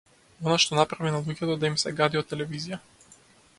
Она што направи на луѓето да им се гади од телевизија.